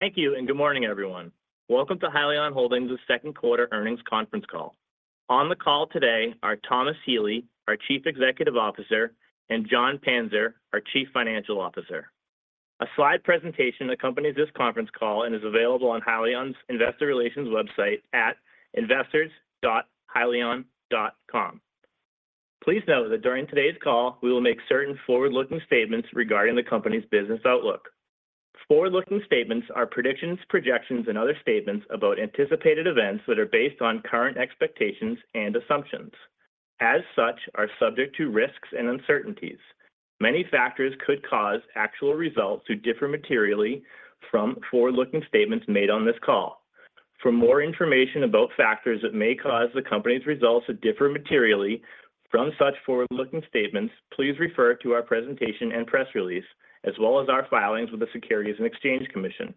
Thank you. Good morning, everyone. Welcome to Hyliion Holdings' Second Quarter Earnings Conference Call. On the call today are Thomas Healy, our Chief Executive Officer, and Jon Panzer, our Chief Financial Officer. A slide presentation accompanies this conference call and is available on Hyliion's Investor Relations website at investors.hyliion.com. Please note that during today's call, we will make certain forward-looking statements regarding the company's business outlook. Forward-looking statements are predictions, projections, and other statements about anticipated events that are based on current expectations and assumptions. As such, are subject to risks and uncertainties. Many factors could cause actual results to differ materially from forward-looking statements made on this call. For more information about factors that may cause the company's results to differ materially from such forward-looking statements, please refer to our presentation and press release, as well as our filings with the Securities and Exchange Commission.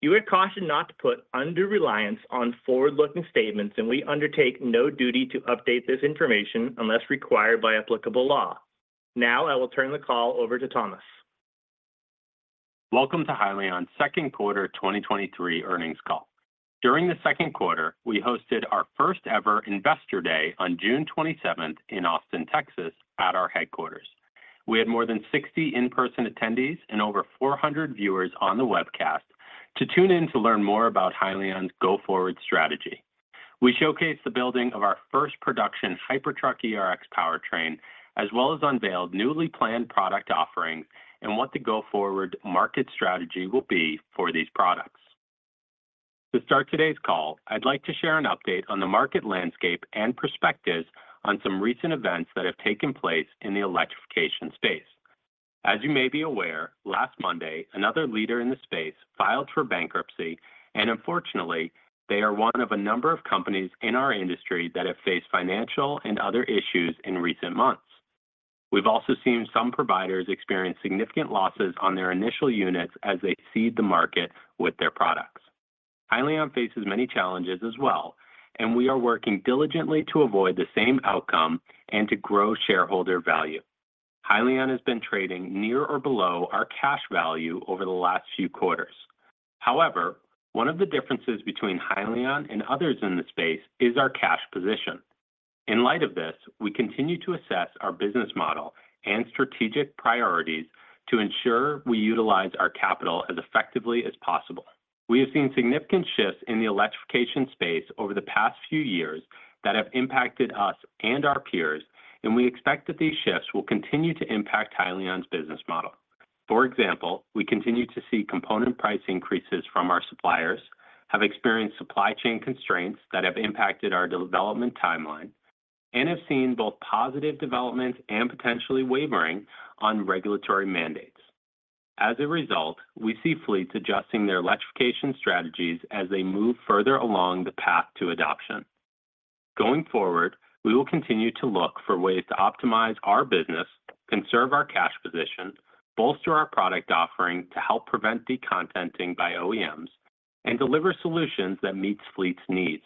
You are cautioned not to put undue reliance on forward-looking statements. We undertake no duty to update this information unless required by applicable law. Now, I will turn the call over to Thomas. Welcome to Hyliion's second quarter 2023 earnings call. During the second quarter, we hosted our first-ever Investor Day on June 27th in Austin, Texas, at our headquarters. We had more than 60 in-person attendees and over 400 viewers on the webcast to tune in to learn more about Hyliion's go-forward strategy. We showcased the building of our first production Hypertruck ERX powertrain, as well as unveiled newly planned product offerings and what the go-forward market strategy will be for these products. To start today's call, I'd like to share an update on the market landscape and perspectives on some recent events that have taken place in the electrification space. As you may be aware, last Monday, another leader in the space filed for bankruptcy, and unfortunately, they are one of a number of companies in our industry that have faced financial and other issues in recent months. We've also seen some providers experience significant losses on their initial units as they seed the market with their products. Hyliion faces many challenges as well, and we are working diligently to avoid the same outcome and to grow shareholder value. Hyliion has been trading near or below our cash value over the last few quarters. However, one of the differences between Hyliion and others in the space is our cash position. In light of this, we continue to assess our business model and strategic priorities to ensure we utilize our capital as effectively as possible. We have seen significant shifts in the electrification space over the past few years that have impacted us and our peers, and we expect that these shifts will continue to impact Hyliion's business model. For example, we continue to see component price increases from our suppliers, have experienced supply chain constraints that have impacted our development timeline, and have seen both positive developments and potentially wavering on regulatory mandates. As a result, we see fleets adjusting their electrification strategies as they move further along the path to adoption. Going forward, we will continue to look for ways to optimize our business, conserve our cash position, bolster our product offering to help prevent decontenting by OEMs, and deliver solutions that meet fleets' needs.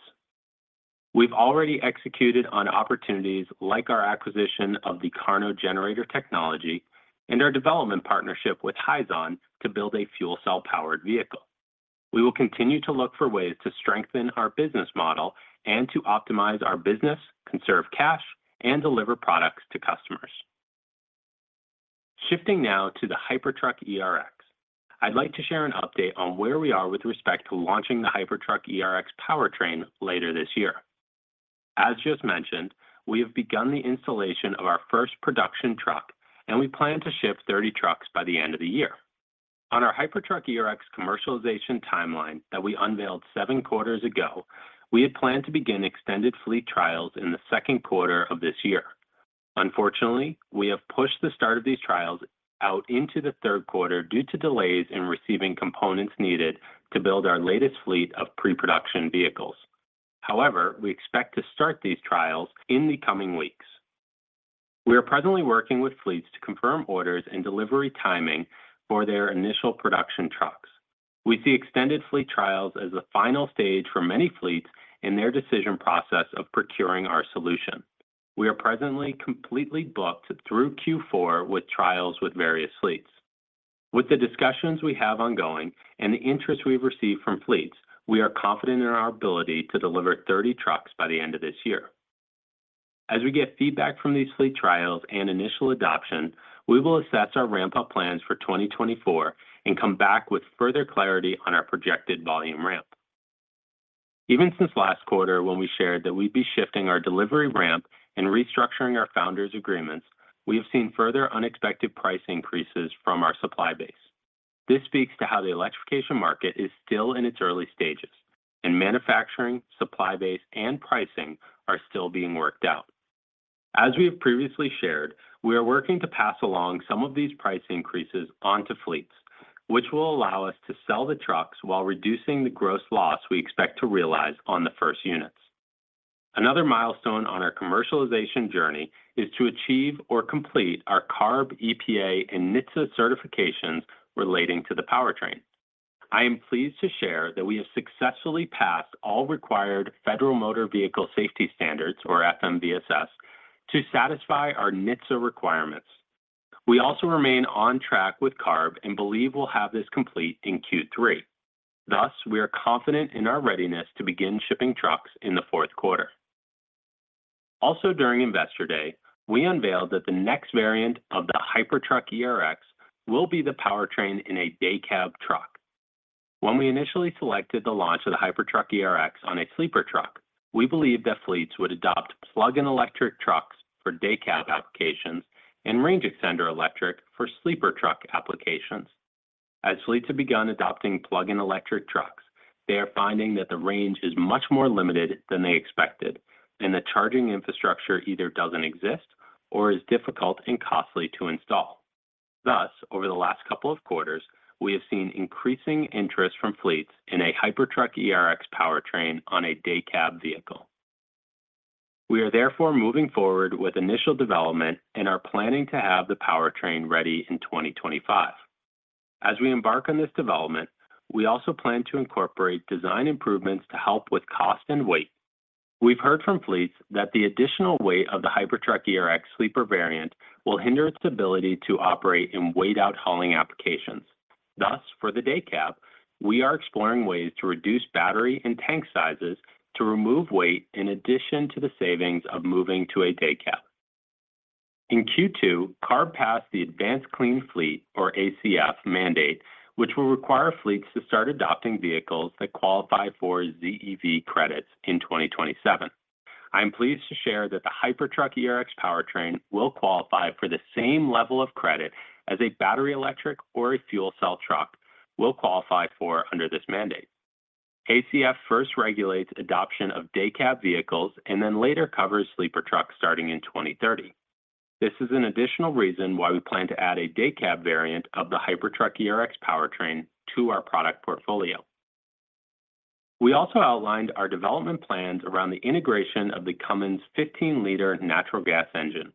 We've already executed on opportunities like our acquisition of the KARNO generator technology and our development partnership with Hyzon to build a fuel cell-powered vehicle. We will continue to look for ways to strengthen our business model and to optimize our business, conserve cash, and deliver products to customers. Shifting now to the Hypertruck ERX, I'd like to share an update on where we are with respect to launching the Hypertruck ERX powertrain later this year. As just mentioned, we have begun the installation of our first production truck, and we plan to ship 30 trucks by the end of the year. On our Hypertruck ERX commercialization timeline that we unveiled 7 quarters ago, we had planned to begin extended fleet trials in the second quarter of this year. Unfortunately, we have pushed the start of these trials out into the third quarter due to delays in receiving components needed to build our latest fleet of pre-production vehicles. However, we expect to start these trials in the coming weeks. We are presently working with fleets to confirm orders and delivery timing for their initial production trucks. We see extended fleet trials as the final stage for many fleets in their decision process of procuring our solution. We are presently completely booked through Q4 with trials with various fleets. With the discussions we have ongoing and the interest we've received from fleets, we are confident in our ability to deliver 30 trucks by the end of this year. As we get feedback from these fleet trials and initial adoption, we will assess our ramp-up plans for 2024 and come back with further clarity on our projected volume ramp. Even since last quarter, when we shared that we'd be shifting our delivery ramp and restructuring our Founders' agreements, we have seen further unexpected price increases from our supply base. This speaks to how the electrification market is still in its early stages, and manufacturing, supply base, and pricing are still being worked out. As we have previously shared, we are working to pass along some of these price increases onto fleets, which will allow us to sell the trucks while reducing the gross loss we expect to realize on the first units. Another milestone on our commercialization journey is to achieve or complete our CARB, EPA, and NHTSA certifications relating to the powertrain. I am pleased to share that we have successfully passed all required Federal Motor Vehicle Safety Standards, or FMVSS, to satisfy our NHTSA requirements. We also remain on track with CARB and believe we'll have this complete in Q3. Thus, we are confident in our readiness to begin shipping trucks in the fourth quarter. Also, during Investor Day, we unveiled that the next variant of the Hypertruck ERX will be the powertrain in a day cab truck. When we initially selected the launch of the Hypertruck ERX on a sleeper truck, we believed that fleets would adopt plug-in electric trucks for day cab applications and range extender electric for sleeper truck applications. As fleets have begun adopting plug-in electric trucks, they are finding that the range is much more limited than they expected, and the charging infrastructure either doesn't exist or is difficult and costly to install. Thus, over the last couple of quarters, we have seen increasing interest from fleets in a Hypertruck ERX powertrain on a day cab vehicle. We are therefore moving forward with initial development and are planning to have the powertrain ready in 2025. As we embark on this development, we also plan to incorporate design improvements to help with cost and weight. We've heard from fleets that the additional weight of the Hypertruck ERX (sleeper variant) will hinder its ability to operate in weight out hauling applications. Thus, for the day cab, we are exploring ways to reduce battery and tank sizes to remove weight in addition to the savings of moving to a day cab. In Q2, CARB passed the Advanced Clean Fleets, or ACF mandate, which will require fleets to start adopting vehicles that qualify for ZEV credits in 2027. I am pleased to share that the Hypertruck ERX powertrain will qualify for the same level of credit as a battery electric or a fuel cell truck will qualify for under this mandate. ACF first regulates adoption of day cab vehicles and then later covers sleeper trucks starting in 2030. This is an additional reason why we plan to add a day cab variant of the Hypertruck ERX powertrain to our product portfolio. We also outlined our development plans around the integration of the Cummins 15-liter natural gas engine.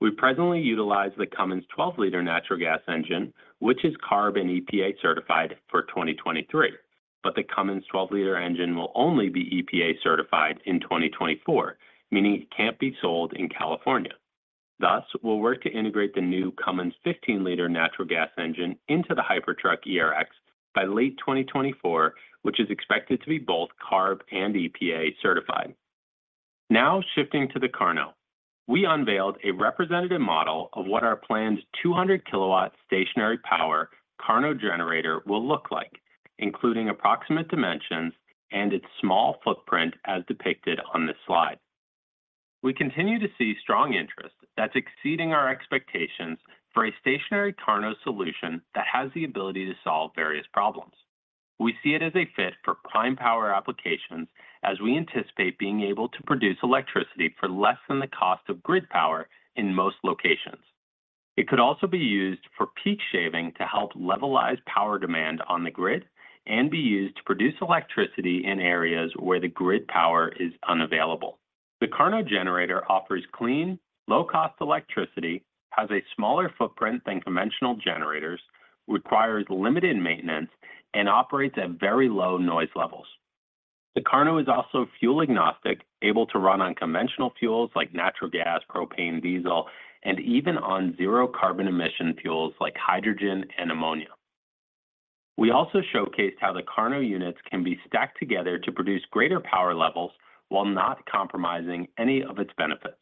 We presently utilize the Cummins 12-liter natural gas engine, which is CARB and EPA certified for 2023, but the Cummins 12-liter engine will only be EPA certified in 2024, meaning it can't be sold in California. Thus, we'll work to integrate the new Cummins 15-liter natural gas engine into the Hypertruck ERX by late 2024, which is expected to be both CARB and EPA certified. Shifting to the KARNO, we unveiled a representative model of what our planned 200 kW stationary power KARNO generator will look like, including approximate dimensions and its small footprint as depicted on this slide. We continue to see strong interest that's exceeding our expectations for a stationary KARNO solution that has the ability to solve various problems. We see it as a fit for prime power applications, as we anticipate being able to produce electricity for less than the cost of grid power in most locations. It could also be used for peak shaving to help levelize power demand on the grid and be used to produce electricity in areas where the grid power is unavailable. The KARNO generator offers clean, low-cost electricity, has a smaller footprint than conventional generators, requires limited maintenance, and operates at very low noise levels. The KARNO is also fuel agnostic, able to run on conventional fuels like natural gas, propane, diesel, and even on zero carbon emission fuels like hydrogen and ammonia. We also showcased how the KARNO units can be stacked together to produce greater power levels while not compromising any of its benefits.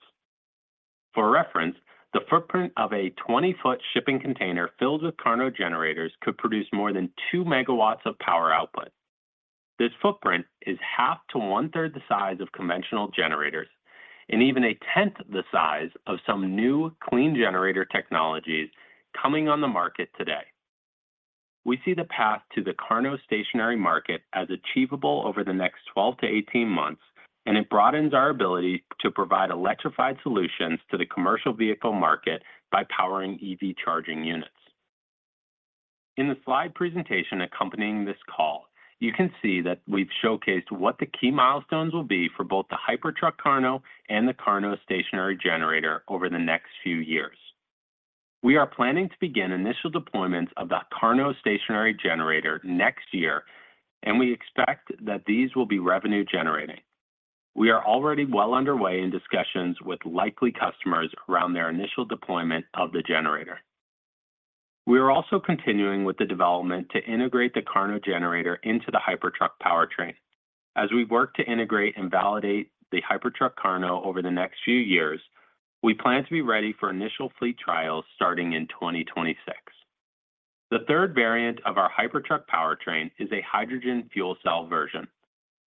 For reference, the footprint of a 20-foot shipping container filled with KARNO generators could produce more than 2 MW of power output. This footprint is half to one-third the size of conventional generators and even a tenth the size of some new clean generator technologies coming on the market today. We see the path to the KARNO stationary market as achievable over the next 12-18 months, and it broadens our ability to provide electrified solutions to the commercial vehicle market by powering EV charging units. In the slide presentation accompanying this call, you can see that we've showcased what the key milestones will be for both the Hypertruck KARNO and the KARNO stationary generator over the next few years. We are planning to begin initial deployments of the KARNO stationary generator next year, and we expect that these will be revenue generating. We are already well underway in discussions with likely customers around their initial deployment of the generator. We are also continuing with the development to integrate the KARNO generator into the Hypertruck powertrain. As we work to integrate and validate the Hypertruck KARNO over the next few years, we plan to be ready for initial fleet trials starting in 2026. The third variant of our Hypertruck powertrain is a hydrogen fuel cell version.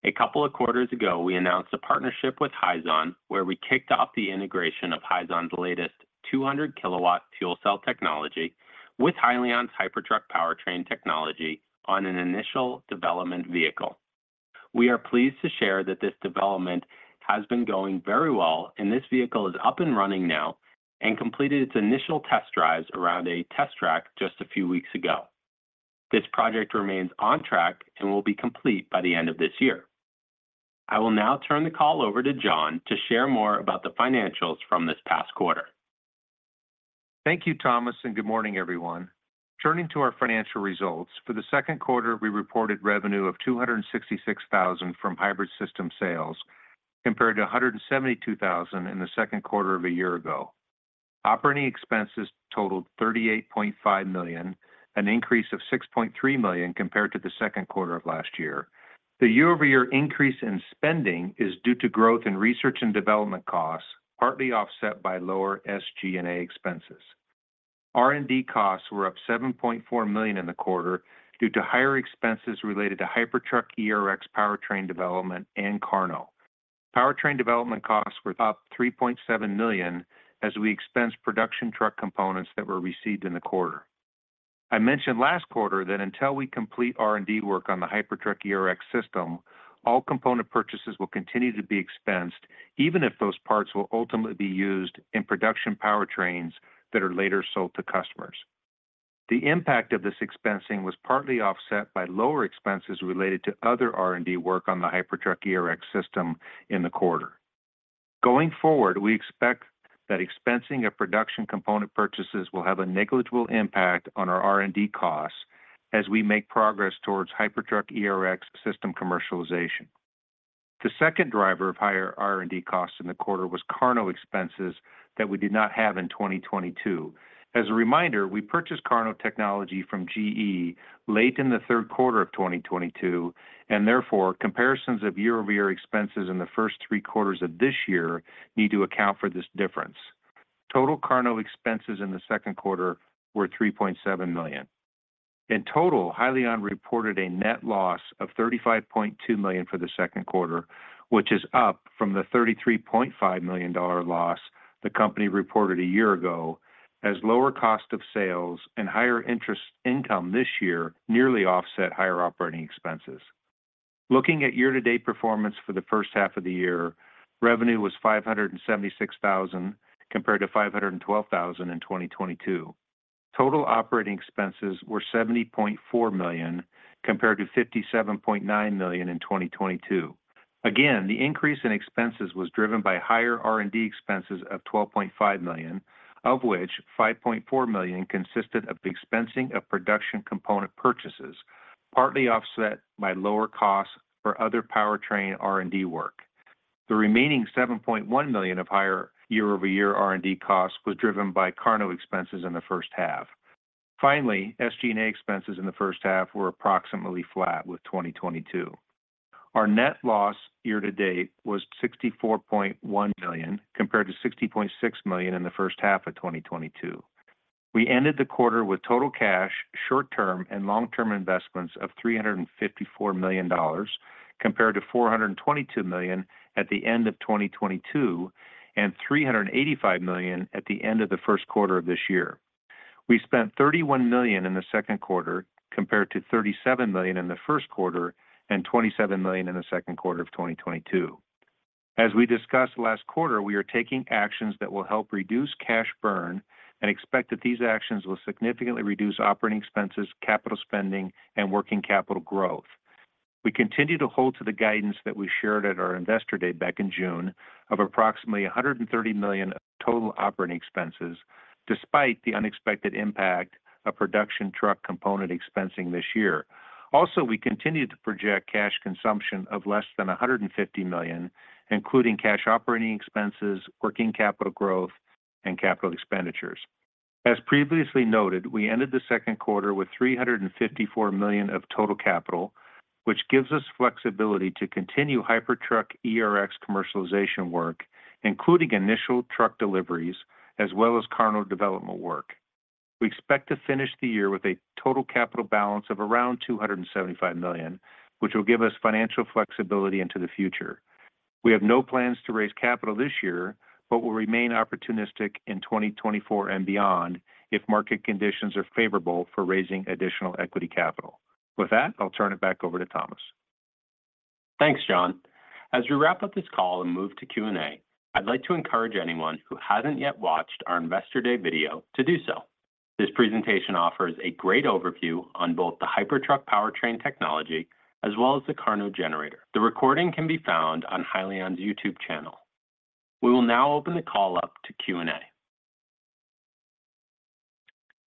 A couple of quarters ago, we announced a partnership with Hyzon, where we kicked off the integration of Hyzon's latest 200 kW fuel cell technology with Hyliion's Hypertruck powertrain technology on an initial development vehicle. We are pleased to share that this development has been going very well. This vehicle is up and running now and completed its initial test drives around a test track just a few weeks ago. This project remains on track and will be complete by the end of this year. I will now turn the call over to Jon to share more about the financials from this past quarter. Thank you, Thomas, good morning, everyone. Turning to our financial results, for the second quarter, we reported revenue of $266,000 from hybrid system sales, compared to $172,000 in the second quarter of a year ago. Operating expenses totaled $38.5 million, an increase of $6.3 million compared to the second quarter of last year. The YoY increase in spending is due to growth in research and development costs, partly offset by lower SG&A expenses. R&D costs were up $7.4 million in the quarter due to higher expenses related to Hypertruck ERX powertrain development and KARNO. Powertrain development costs were up $3.7 million as we expensed production truck components that were received in the quarter. I mentioned last quarter that until we complete R&D work on the Hypertruck ERX system, all component purchases will continue to be expensed, even if those parts will ultimately be used in production powertrains that are later sold to customers. The impact of this expensing was partly offset by lower expenses related to other R&D work on the Hypertruck ERX system in the quarter. Going forward, we expect that expensing of production component purchases will have a negligible impact on our R&D costs as we make progress towards Hypertruck ERX system commercialization. The second driver of higher R&D costs in the quarter was KARNO expenses that we did not have in 2022. As a reminder, we purchased KARNO technology from GE late in the 3rd quarter of 2022, and therefore, comparisons of YoY expenses in the first 3 quarters of this year need to account for this difference. Total KARNO expenses in the second quarter were $3.7 million. In total, Hyliion reported a net loss of $35.2 million for the second quarter, which is up from the $33.5 million loss the company reported a year ago, as lower cost of sales and higher interest income this year nearly offset higher operating expenses. Looking at year-to-date performance for the first half of the year, revenue was $576,000, compared to $512,000 in 2022. Total operating expenses were $70.4 million, compared to $57.9 million in 2022. Again, the increase in expenses was driven by higher R&D expenses of $12.5 million, of which $5.4 million consisted of the expensing of production component purchases, partly offset by lower costs for other powertrain R&D work. The remaining $7.1 million of higher YoY R&D costs was driven by KARNO expenses in the first half. SG&A expenses in the first half were approximately flat with 2022. Our net loss year to date was $64.1 million, compared to $60.6 million in the first half of 2022. We ended the quarter with total cash, short-term, and long-term investments of $354 million, compared to $422 million at the end of 2022, and $385 million at the end of the first quarter of this year. We spent $31 million in the second quarter, compared to $37 million in the first quarter and $27 million in the second quarter of 2022. As we discussed last quarter, we are taking actions that will help reduce cash burn and expect that these actions will significantly reduce operating expenses, capital spending, and working capital growth. We continue to hold to the guidance that we shared at our Investor Day back in June of approximately $130 million of total operating expenses, despite the unexpected impact of production truck component expensing this year. We continue to project cash consumption of less than $150 million, including cash operating expenses, working capital growth, and capital expenditures. As previously noted, we ended the second quarter with $354 million of total capital, which gives us flexibility to continue Hypertruck ERX commercialization work, including initial truck deliveries as well as KARNO development work. We expect to finish the year with a total capital balance of around $275 million, which will give us financial flexibility into the future. We have no plans to raise capital this year, but will remain opportunistic in 2024 and beyond if market conditions are favorable for raising additional equity capital. With that, I'll turn it back over to Thomas. Thanks, Jon. As we wrap up this call and move to Q&A, I'd like to encourage anyone who hasn't yet watched our Investor Day video to do so. This presentation offers a great overview on both the Hypertruck powertrain technology as well as the KARNO generator. The recording can be found on Hyliion's YouTube channel. We will now open the call up to Q&A.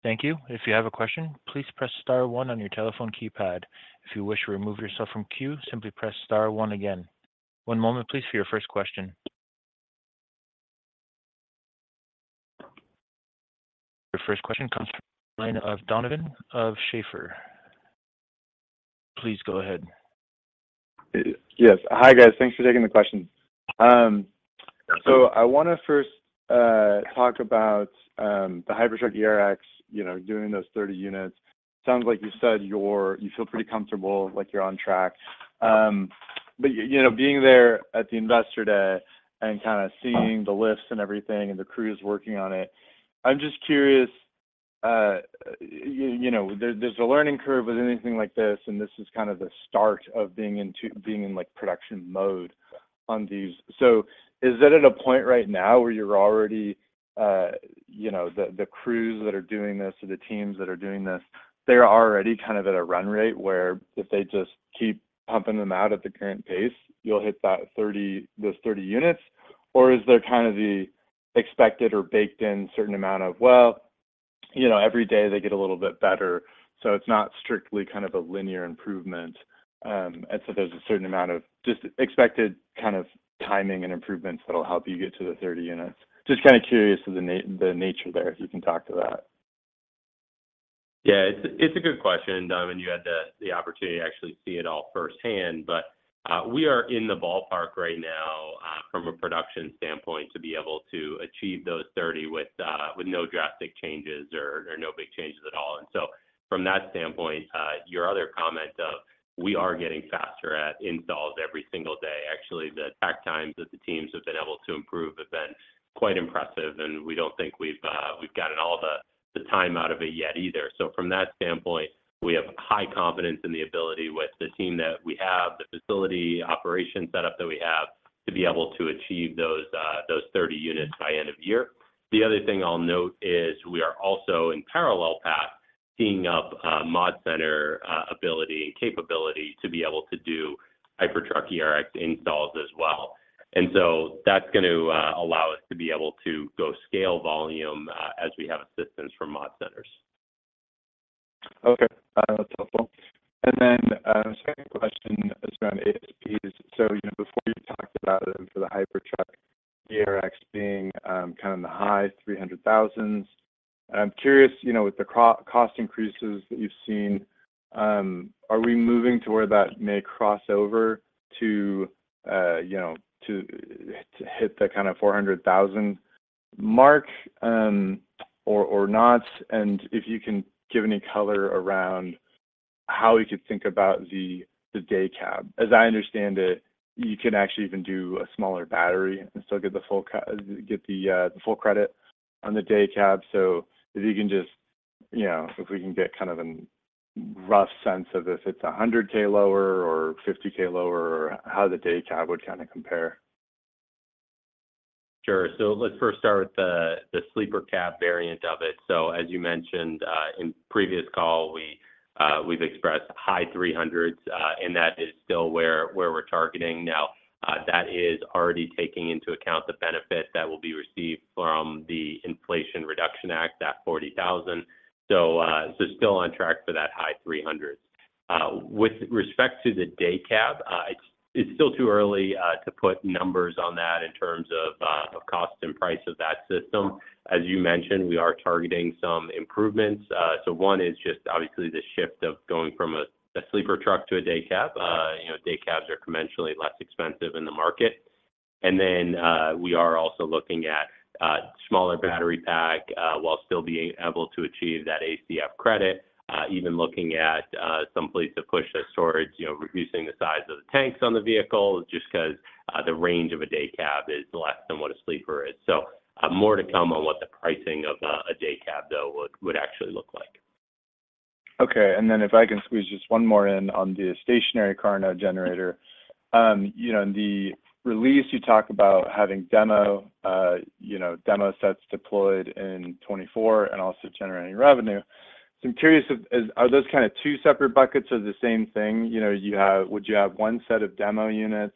Thank you. If you have a question, please press star one on your telephone keypad. If you wish to remove yourself from queue, simply press star one again. One moment, please, for your first question. Your first question comes from the line of Donovan O. Schafer. Please go ahead. Yes. Hi, guys. Thanks for taking the question. I want to first talk about the Hypertruck ERX, you know, doing those 30 units. Sounds like you said you feel pretty comfortable, like you're on track. You know, being there at the Investor Day and kind of seeing the lifts and everything and the crews working on it, I'm just curious, you know, there's, there's a learning curve with anything like this, and this is kind of the start of being in, like, production mode on these. Is that at a point right now where you're already, you know, the, the crews that are doing this or the teams that are doing this, they're already kind of at a run rate where if they just keep pumping them out at the current pace, you'll hit that 30, those 30 units? Or is there kind of expected or baked in certain amount of, well, you know, every day they get a little bit better, so it's not strictly kind of a linear improvement. And so there's a certain amount of just expected kind of timing and improvements that'll help you get to the 30 units. Just kind of curious to the nature there, if you can talk to that. Yeah, it's a good question, Donovan. You had the opportunity to actually see it all firsthand. We are in the ballpark right now from a production standpoint, to be able to achieve those 30 with no drastic changes or no big changes at all. So from that standpoint, your other comment of we are getting faster at installs every single day. Actually, the tack times that the teams have been able to improve have been quite impressive, and we don't think we've gotten all the time out of it yet either. From that standpoint, we have high confidence in the ability with the team that we have, the facility operation setup that we have, to be able to achieve those 30 units by end of year. The other thing I'll note is we are also, in parallel path, teeing up, mod center, ability and capability to be able to do Hypertruck ERX installs as well. So that's going to, allow us to be able to go scale volume, as we have assistance from mod centers. Okay. That's helpful. Second question is around ASPs. You know, before you talked about them for the Hypertruck ERX being, kind of in the high $300,000s, I'm curious, you know, with the cro- cost increases that you've seen, are we moving to where that may cross over to, you know, to, to hit the kind of $400,000 mark, or, or not? If you can give any color around how we could think about the, the day cab. As I understand it, you can actually even do a smaller battery and still get the full co- get the, the full credit on the day cab. If you can just, you know, if we can get kind of a rough sense of if it's $100,000 lower or $50,000 lower, or how the day cab would kind of compare. Sure. Let's first start with the, the sleeper cab variant of it. As you mentioned, in previous call, we, we've expressed high 300s, and that is still where, where we're targeting now. That is already taking into account the benefit that will be received from the Inflation Reduction Act, that $40,000. Still on track for that high 300s. With respect to the day cab, it's, it's still too early to put numbers on that in terms of, of cost and price of that system. As you mentioned, we are targeting some improvements. One is just obviously the shift of going from a, a sleeper truck to a day cab. You know, day cabs are conventionally less expensive in the market. We are also looking at smaller battery pack while still being able to achieve that ACF credit. Even looking at some place to push the storage, you know, reducing the size of the tanks on the vehicle, just 'cause the range of a day cab is less than what a sleeper is. More to come on what the pricing of a day cab, though, would actually look like. Okay, then if I can squeeze just one more in on the stationary KARNO generator. You know, in the release, you talk about having demo, you know, demo sets deployed in 2024 and also generating revenue. I'm curious if are those kind of two separate buckets or the same thing? You know, would you have one set of demo units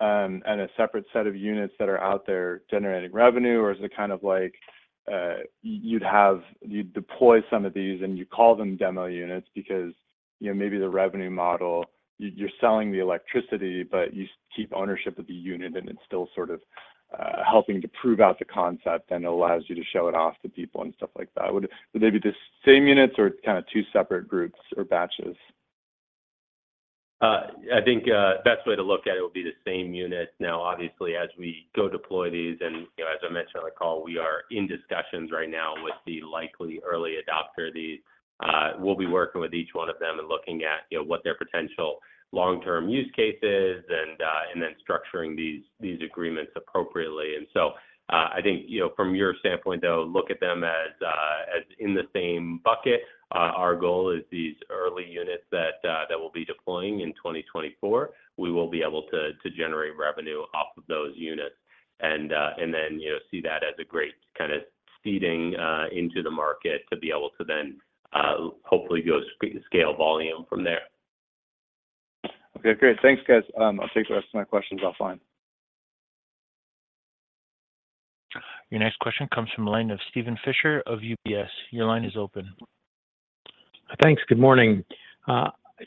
and a separate set of units that are out there generating revenue? Or is it kind of like, you deploy some of these, and you call them demo units because, you know, maybe the revenue model, you're, you're selling the electricity, but you keep ownership of the unit, and it's still sort of helping to prove out the concept and allows you to show it off to people and stuff like that. Would they be the same units or kind of two separate groups or batches? I think, best way to look at it would be the same units. Obviously, as we go deploy these, and, you know, as I mentioned on the call, we are in discussions right now with the likely early adopter of these. We'll be working with each one of them and looking at, you know, what their potential long-term use case is, and then structuring these, these agreements appropriately. I think, you know, from your standpoint, though, look at them as in the same bucket. Our goal is these early units that, that we'll be deploying in 2024, we will be able to, to generate revenue off of those units. Then, you know, see that as a great kind of seeding into the market to be able to then hopefully go scale volume from there. Okay, great. Thanks, guys. I'll take the rest of my questions offline. Your next question comes from the line of Steven Fisher of UBS. Your line is open. Thanks. Good morning.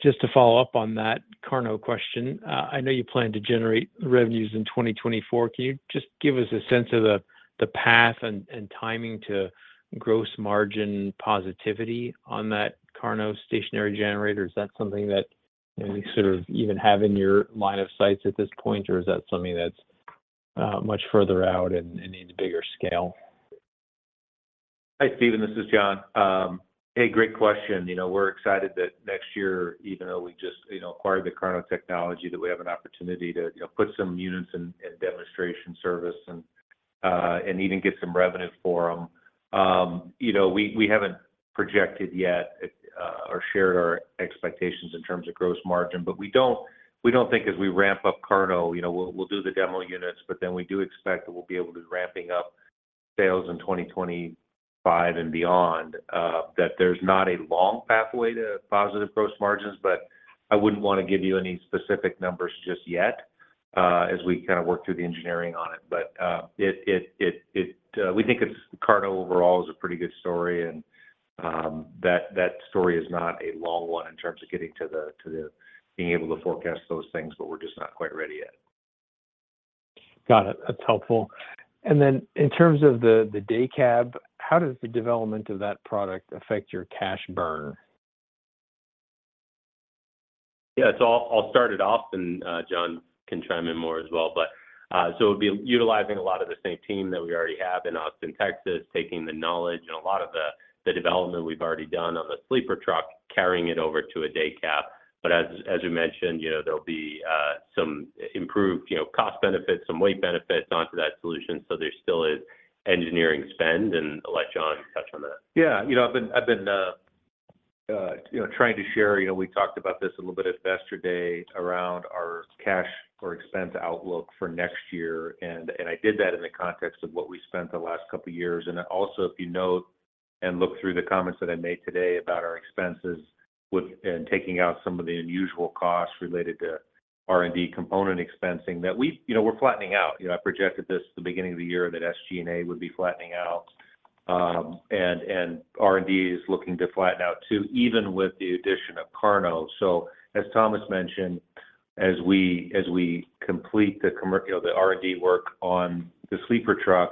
Just to follow up on that KARNO question, I know you plan to generate revenues in 2024. Can you just give us a sense of the path and timing to gross margin positivity on that KARNO stationary generator? Is that something that you sort of even have in your line of sight at this point, or is that something is much further out and needs a bigger scale? Hi, Steven, this is Jon. Hey, great question. You know, we're excited that next year, even though we just, you know, acquired the KARNO technology, that we have an opportunity to, you know, put some units in, in demonstration service and even get some revenue for them. You know, we, we haven't projected yet or shared our expectations in terms of gross margin, but we don't, we don't think as we ramp up KARNO, you know, we'll, we'll do the demo units, but then we do expect that we'll be able to ramping up sales in 2025 and beyond, that there's not a long pathway to positive gross margins. I wouldn't want to give you any specific numbers just yet, as we kind of work through the engineering on it. We think it's, KARNO overall is a pretty good story, and that, that story is not a long one in terms of getting to the being able to forecast those things, but we're just not quite ready yet. Got it. That's helpful. Then in terms of the, the day cab, how does the development of that product affect your cash burn? Yeah, so I'll, I'll start it off, and Jon can chime in more as well. So we'll be utilizing a lot of the same team that we already have in Austin, Texas, taking the knowledge and a lot of the development we've already done on the sleeper truck, carrying it over to a day cab. As we mentioned, you know, there'll be some improved, you know, cost benefits, some weight benefits onto that solution, so there still is engineering spend. I'll let Jon touch on that. Yeah, you know, I've been, I've been, you know, trying to share, you know, we talked about this a little bit at Investor Day around our cash or expense outlook for next year. I did that in the context of what we spent the last couple of years. Also, if you note and look through the comments that I made today about our expenses with and taking out some of the unusual costs related to R&D component expensing, you know, we're flattening out. You know, I projected this at the beginning of the year, that SG&A would be flattening out. R&D is looking to flatten out, too, even with the addition of KARNO. as Thomas mentioned, as we complete the you know, the R&D work on the sleeper truck,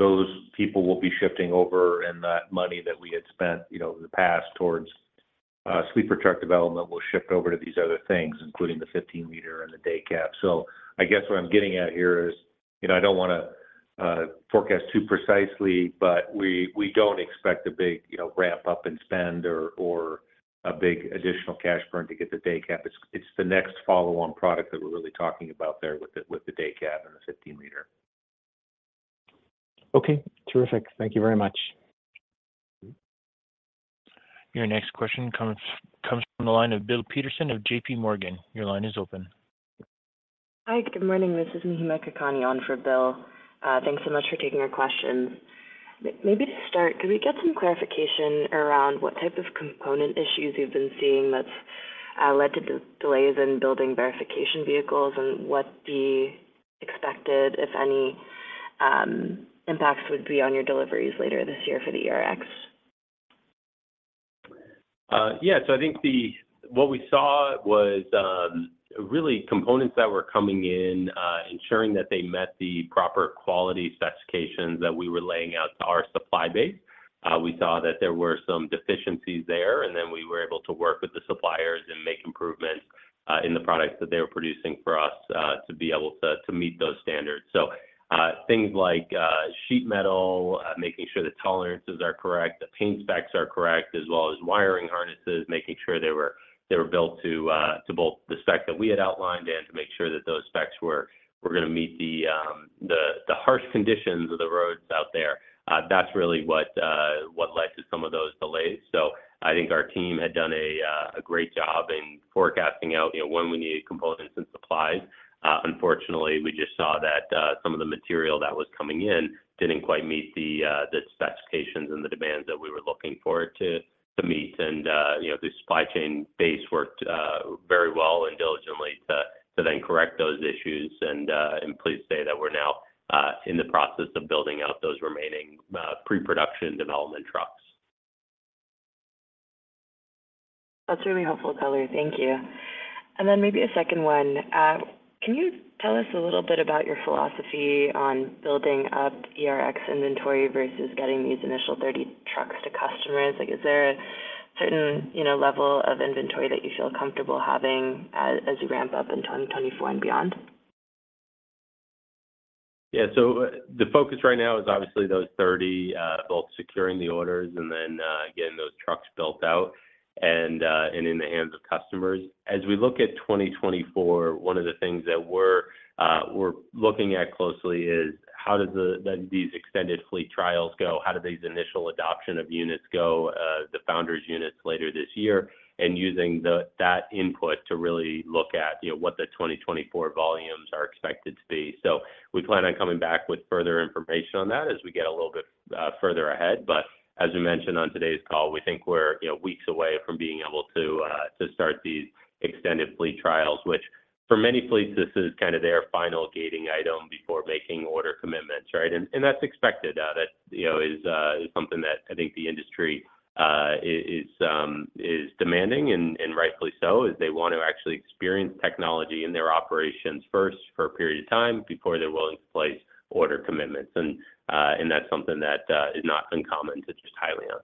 those people will be shifting over, and that money that we had spent, you know, in the past towards sleeper truck development will shift over to these other things, including the 15-liter engine and the day cab. I guess what I'm getting at here is, you know, I don't wanna forecast too precisely, but we, we don't expect a big, you know, ramp up in spend or a big additional cash burn to get the day cab. It's the next follow-on product that we're really talking about there with the day cab and the 15-liter engine. Okay, terrific. Thank you very much. Your next question comes from the line of Bill Peterson of J.P. Morgan. Your line is open. Hi, good morning. This is Mahima Kakani on for Bill. Thanks so much for taking our questions. Maybe to start, could we get some clarification around what type of component issues you've been seeing that's led to delays in building verification vehicles, and what the expected, if any, impacts would be on your deliveries later this year for the ERX? Yeah, I think the... what we saw was really components that were coming in, ensuring that they met the proper quality specifications that we were laying out to our supply base. We saw that there were some deficiencies there. Then we were able to work with the suppliers and make improvements, in the products that they were producing for us, to be able to, to meet those standards. Things like sheet metal, making sure the tolerances are correct, the paint specs are correct, as well as wiring harnesses, making sure they were, they were built to, to both the spec that we had outlined and to make sure that those specs were, were gonna meet the, the, the harsh conditions of the roads out there. That's really what, what led to some of those delays. I think our team had done a great job in forecasting out, you know, when we needed components and supplies. Unfortunately, we just saw that some of the material that was coming in didn't quite meet the specifications and the demands that we were looking for it to, to meet. You know, the supply chain base worked very well and diligently to, to then correct those issues. I'm pleased to say that we're now in the process of building out those remaining pre-production development trucks. That's really helpful color. Thank you. Then maybe a second one. Can you tell us a little bit about your philosophy on building up ERX inventory versus getting these initial 30 trucks to customers? Like, is there a certain, you know, level of inventory that you feel comfortable having as, as you ramp up in 2024 and beyond? Yeah. The focus right now is obviously those 30, both securing the orders and then, getting those trucks built out and in the hands of customers. We look at 2024, one of the things that we're looking at closely is, how does these extended fleet trials go? How do these initial adoption of units go, the Founders units later this year? Using that input to really look at, you know, what the 2024 volumes are expected to be. We plan on coming back with further information on that as we get a little bit further ahead. As we mentioned on today's call, we think we're, you know, weeks away from being able to start these extended fleet trials, which for many fleets, this is kind of their final gating item before making order commitments, right? That's expected. That, you know, is something that I think the industry is demanding, and rightfully so, is they want to actually experience technology in their operations first for a period of time before they're willing to place order commitments. That's something that is not uncommon to just Hyliion.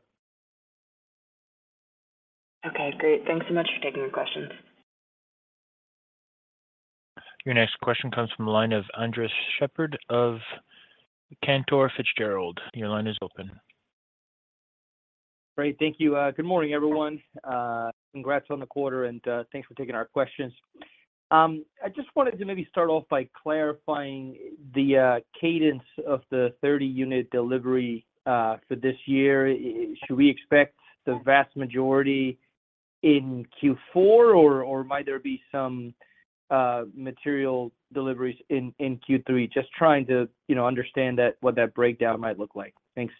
Okay, great. Thanks so much for taking the questions. Your next question comes from the line of Andres Sheppard of Cantor Fitzgerald. Your line is open. Great. Thank you. Good morning, everyone. Congrats on the quarter, and thanks for taking our questions. I just wanted to maybe start off by clarifying the cadence of the 30-unit delivery for this year. Should we expect the vast majority in Q4, or might there be some material deliveries in Q3? Just trying to, you know, understand that, what that breakdown might look like. Thanks.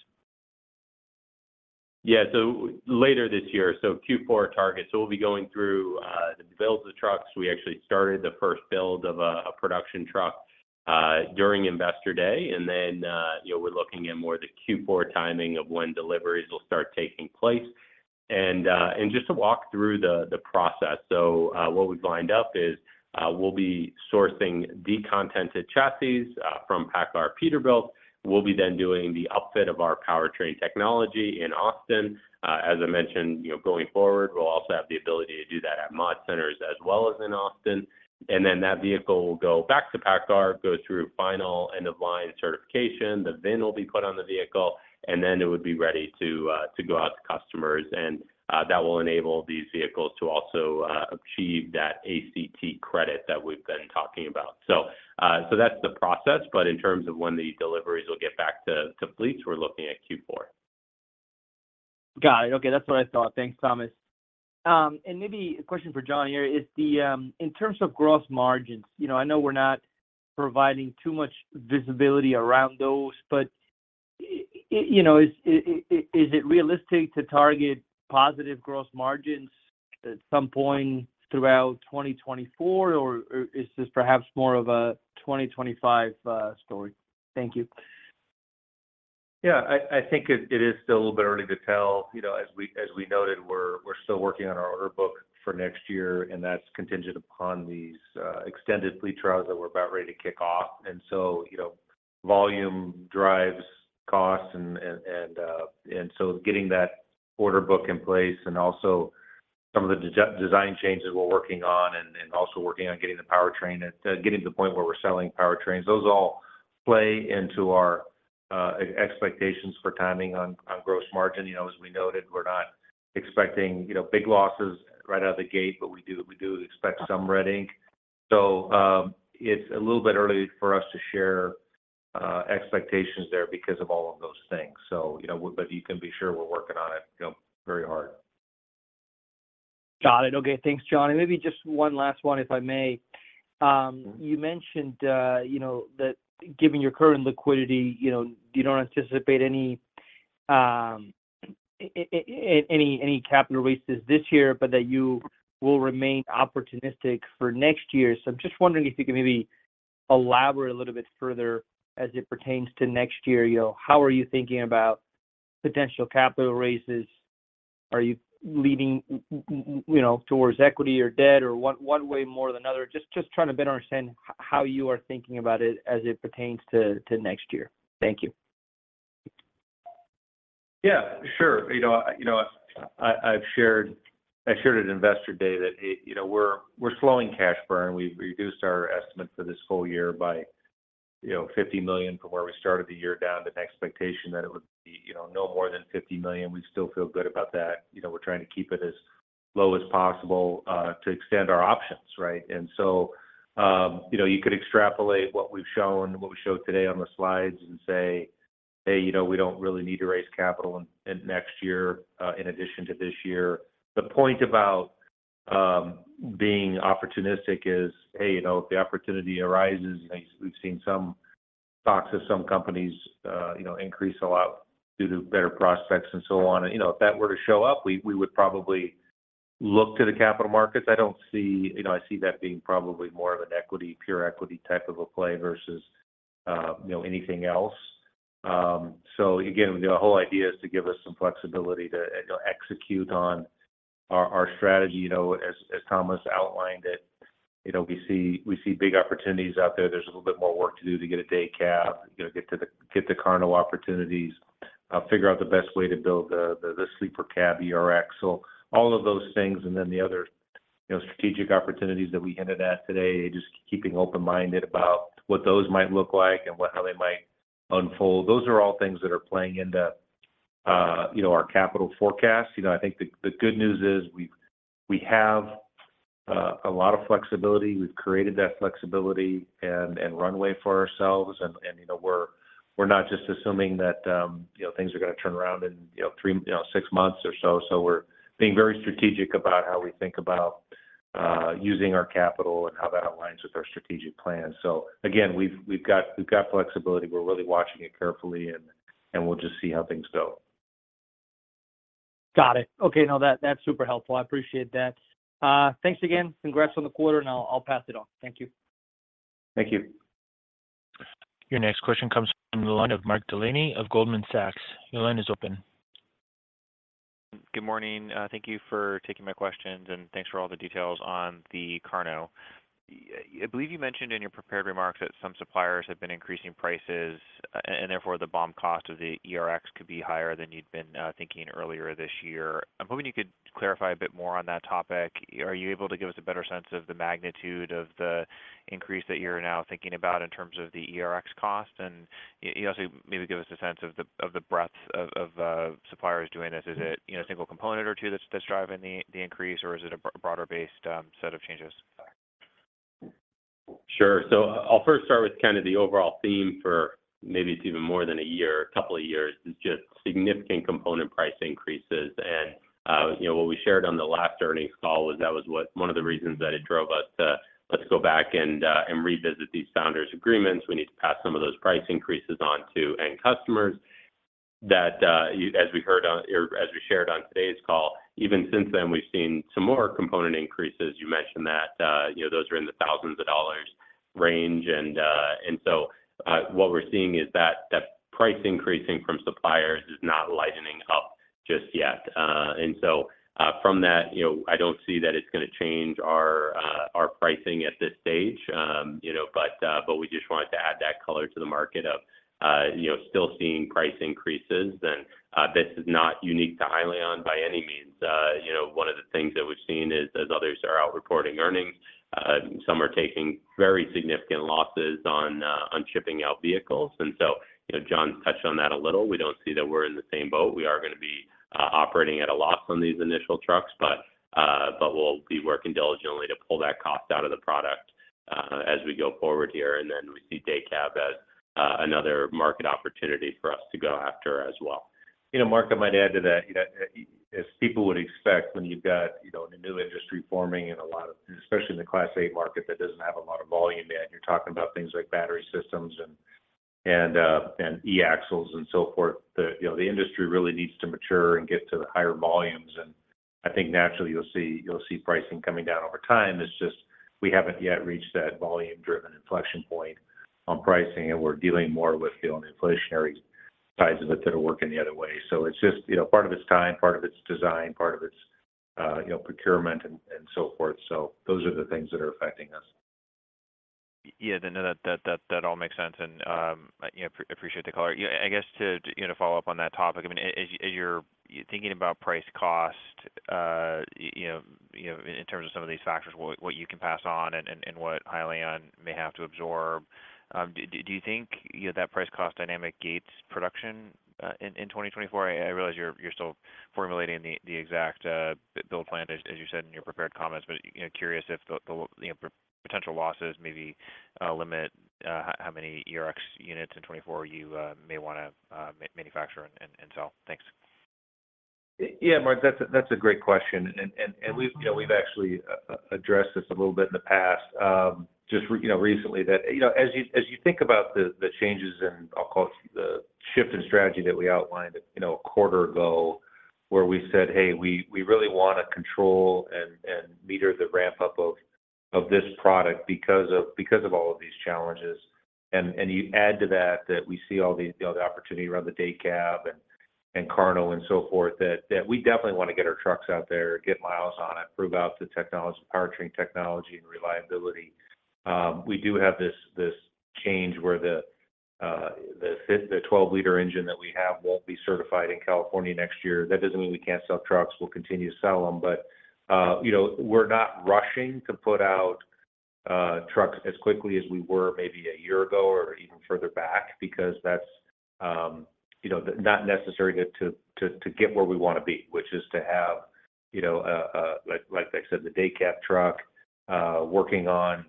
Later this year, Q4 target. We'll be going through the build of the trucks. We actually started the first build of a production truck during Investor Day, and then, you know, we're looking at more the Q4 timing of when deliveries will start taking place. Just to walk through the process, what we've lined up is we'll be sourcing decontented chassis from PACCAR Peterbilt. We'll be then doing the upfit of our powertrain technology in Austin. As I mentioned, you know, going forward, we'll also have the ability to do that at mod centers as well as in Austin. That vehicle will go back to PACCAR, go through final end-of-line certification. The VIN will be put on the vehicle, then it would be ready to, to go out to customers. That will enable these vehicles to also achieve that ACT credit that we've been talking about. That's the process, but in terms of when the deliveries will get back to, to fleets, we're looking at Q4. Got it. Okay, that's what I thought. Thanks, Thomas. Maybe a question for Jon here. In terms of gross margins, you know, I know we're not providing too much visibility around those, but, you know, is it realistic to target positive gross margins at some point throughout 2024, or, or is this perhaps more of a 2025 story? Thank you. Yeah, I think it is still a little bit early to tell. You know, as we noted, we're still working on our order book for next year, and that's contingent upon these extended fleet trials that we're about ready to kick off. So, you know, volume drives costs, and so getting that order book in place and also some of the design changes we're working on, and also working on getting the powertrain getting to the point where we're selling powertrains. Those all play into our expectations for timing on gross margin. You know, as we noted, we're not expecting, you know, big losses right out of the gate, but we do, we do expect some red ink. It's a little bit early for us to share expectations there because of all of those things. You know, but you can be sure we're working on it, you know, very hard. Got it. Okay. Thanks, Jon. Maybe just one last one, if I may? You mentioned, you know, that given your current liquidity, you know, you don't anticipate any, any capital raises this year, but that you will remain opportunistic for next year. I'm just wondering if you could maybe elaborate a little bit further as it pertains to next year? You know, how are you thinking about potential capital raises? Are you leaning, you know, towards equity or debt or one, one way more than another? Just, just trying to better understand how you are thinking about it as it pertains to, to next year? Thank you. Yeah, sure. You know, you know, I, I've shared, I shared at Investor Day that, you know, we're, we're slowing cash burn. We've reduced our estimate for this full year by, you know, $50 million from where we started the year down to an expectation that it would be, you know, no more than $50 million. We still feel good about that. You know, we're trying to keep it as low as possible to extend our options, right? So, you know, you could extrapolate what we've shown, what we showed today on the slides and say, "Hey, you know, we don't really need to raise capital in, in next year, in addition to this year." The point about being opportunistic is, hey, you know, if the opportunity arises, and we've, we've seen some stocks of some companies, you know, increase a lot due to better prospects and so on. You know, if that were to show up, we, we would probably look to the capital markets. I don't see. You know, I see that being probably more of an equity, pure equity type of a play versus, you know, anything else. So again, the whole idea is to give us some flexibility to, you know, execute on our, our strategy. You know, as Thomas outlined it, you know, we see, we see big opportunities out there. There's a little bit more work to do to get a day cab, you know, get the cargo opportunities, figure out the best way to build the sleeper cab ERX. All of those things, and then the other, you know, strategic opportunities that we hinted at today, just keeping open-minded about what those might look like and how they might unfold. Those are all things that are playing into, you know, our capital forecast. You know, I think the good news is we have a lot of flexibility. We've created that flexibility and, and runway for ourselves, and, and, you know, we're, we're not just assuming that, you know, things are going to turn around in, you know, 3, you know, 6 months or so. We're being very strategic about how we think about using our capital and how that aligns with our strategic plan. Again, we've, we've got, we've got flexibility. We're really watching it carefully, and, and we'll just see how things go. Got it. Okay. That, that's super helpful. I appreciate that. Thanks again. Congrats on the quarter, I'll, I'll pass it on. Thank you. Thank you. Your next question comes from the line of Mark Delaney of Goldman Sachs. Your line is open. Good morning. Thank you for taking my questions, and thanks for all the details on the KARNO. I believe you mentioned in your prepared remarks that some suppliers have been increasing prices, and therefore, the BOM cost of the ERX could be higher than you'd been thinking earlier this year. I'm hoping you could clarify a bit more on that topic. Are you able to give us a better sense of the magnitude of the increase that you're now thinking about in terms of the ERX cost? You know, maybe give us a sense of the breadth of suppliers doing this. Is it, you know, a single component or two that's driving the increase, or is it a broader-based set of changes? Sure. I'll first start with kind of the overall theme for maybe it's even more than a year, a couple of years, is just significant component price increases. You know, what we shared on the last earnings call was that was what one of the reasons that it drove us to, "Let's go back and revisit these founders agreements." We need to pass some of those price increases on to end customers. That, you- as we heard on, or as we shared on today's call, even since then, we've seen some more component increases. You mentioned that, you know, those are in the thousands of dollars range. And so, what we're seeing is that, that price increasing from suppliers is not lightening up just yet. From that, you know, I don't see that it's gonna change our pricing at this stage. You know, we just wanted to add that color to the market of, you know, still seeing price increases. This is not unique to Hyliion by any means. You know, one of the things that we've seen is, as others are out reporting earnings, some are taking very significant losses on shipping out vehicles. You know, Jon touched on that a little. We don't see that we're in the same boat. We are gonna be operating at a loss on these initial trucks, but, but we'll be working diligently to pull that cost out of the product as we go forward here, and then we see day cab as another market opportunity for us to go after as well. You know, Mark, I might add to that, you know, as people would expect, when you've got, you know, a new industry forming and especially in the Class 8 market, that doesn't have a lot of volume yet, you're talking about things like battery systems and, and, and e-axles and so forth. The, you know, the industry really needs to mature and get to the higher volumes, and I think naturally you'll see, you'll see pricing coming down over time. It's just, we haven't yet reached that volume-driven inflection point on pricing, and we're dealing more with the inflationary sides of it that are working the other way. It's just, you know, part of it's time, part of it's design, part of it's, you know, procurement and, and so forth. Those are the things that are affecting us. Yeah, no, that, that, that, that all makes sense, and, you know, appreciate the color. Yeah, I guess to, to, you know, follow up on that topic, I mean, as you, as you're thinking about price cost, you know, you know, in terms of some of these factors, what, what you can pass on and, and, and what Hyliion may have to absorb, do, do you think, you know, that price cost dynamic gates production, in, in 2024? I, I realize you're, you're still formulating the, the exact, build plan, as, as you said in your prepared comments, but, you know, curious if the, the, you know, potential losses maybe, limit, how many ERX units in 2024 you, may wanna, manufacture and, and sell. Thanks. Yeah, Mark, that's a, that's a great question. We've, you know, we've actually addressed this a little bit in the past, you know, recently. That, you know, as you, as you think about the, the changes and I'll call it the shift in strategy that we outlined, you know, a quarter ago, where we said, "Hey, we, we really want to control and, and meter the ramp-up of, of this product because of, because of all of these challenges." You add to that, that we see all the, you know, the opportunity around the day cab and, and KARNO and so forth, that, that we definitely want to get our trucks out there, get miles on it, prove out the powertrain technology and reliability. We do have this, this change where the 12-liter engine that we have won't be certified in California next year. That doesn't mean we can't sell trucks. We'll continue to sell them, but, you know, we're not rushing to put out trucks as quickly as we were maybe 1 year ago or even further back, because that's, you know, not necessary to get where we want to be, which is to have, you know, like I said, the day cab truck, working on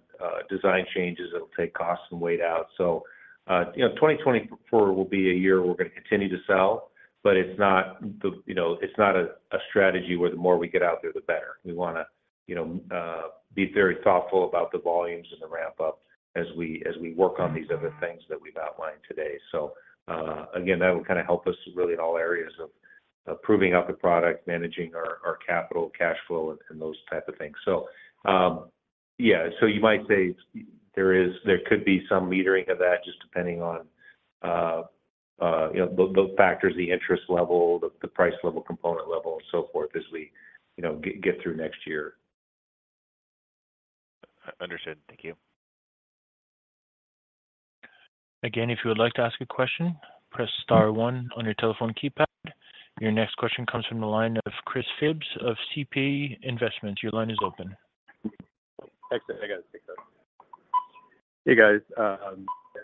design changes that'll take costs and weight out. You know, 2024 will be a year we're gonna continue to sell, but it's not the, you know, it's not a, a strategy where the more we get out there, the better. We wanna, you know, be very thoughtful about the volumes and the ramp up as we, as we work on these other things that we've outlined today. Again, that will kind of help us really in all areas of, of proving out the product, managing our, our capital, cash flow, and those type of things. Yeah, so you might say there could be some metering of that, just depending on, you know, those, those factors, the interest level, the, the price level, component level, and so forth, as we, you know, get, get through next year. understood. Thank you. If you would like to ask a question, press star one on your telephone keypad. Your next question comes from the line of Chris Phibbs, of CP Investment. Your line is open. Excellent. I gotta take this. Hey, guys.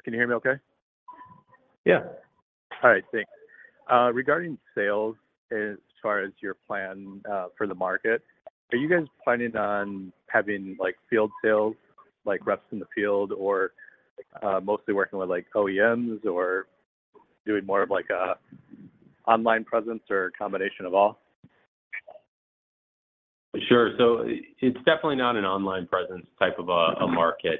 Can you hear me okay? Yeah. All right, thanks. Regarding sales, as far as your plan, for the market, are you guys planning on having, like, field sales, like reps in the field, or, mostly working with, like, OEMs, or doing more of, like, a online presence or a combination of all? Sure. It's definitely not an online presence type of a market.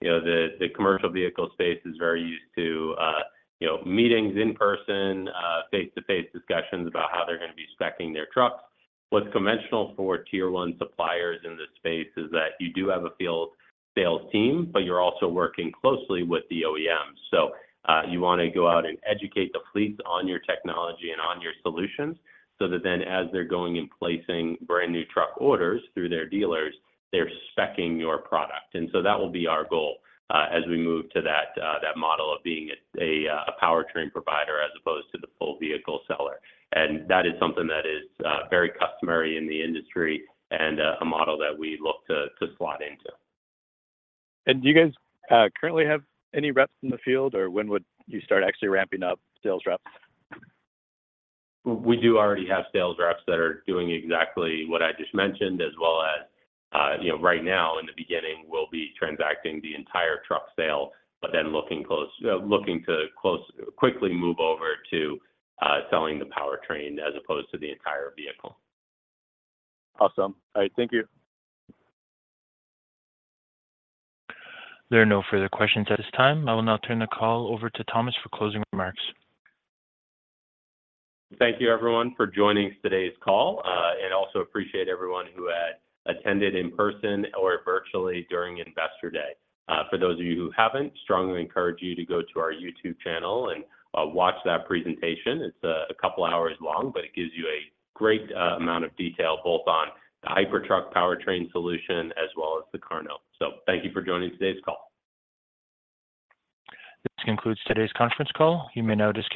You know, the commercial vehicle space is very used to, you know, meetings in person, face-to-face discussions about how they're gonna be speccing their trucks. What's conventional for Tier One suppliers in this space is that you do have a field sales team, but you're also working closely with the OEMs. You want to go out and educate the fleet on your technology and on your solutions, so that then as they're going and placing brand-new truck orders through their dealers, they're speccing your product. That will be our goal, as we move to that, that model of being a powertrain provider as opposed to the full vehicle seller. That is something that is very customary in the industry and a model that we look to, to slot into. Do you guys currently have any reps in the field, or when would you start actually ramping up sales reps? We do already have sales reps that are doing exactly what I just mentioned, as well as, you know, right now, in the beginning, we'll be transacting the entire truck sale, but then quickly move over to selling the powertrain as opposed to the entire vehicle. Awesome. All right, thank you. There are no further questions at this time. I will now turn the call over to Thomas for closing remarks. Thank you, everyone, for joining today's call. Also appreciate everyone who attended in person or virtually during Investor Day. For those of you who haven't, strongly encourage you to go to our YouTube channel and watch that presentation. It's a couple of hours long, but it gives you a great amount of detail both on the Hypertruck powertrain solution as well as the KARNO. Thank you for joining today's call. This concludes today's conference call. You may now disconnect.